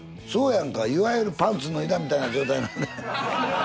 そうやんかいわゆるパンツ脱いだみたいな状態。